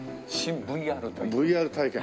ＶＲ体験？